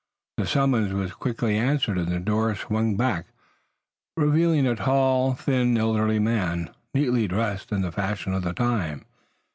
The summons was quickly answered and the door swung back, revealing a tall, thin, elderly man, neatly dressed in the fashion of the time.